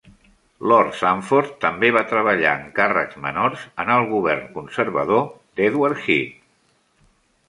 Lord Sandford també va treballar en càrrecs menors en el govern conservador d'Edward Heath.